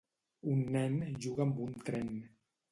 un nen juga amb un tren.